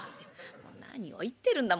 「何を言ってるんだ。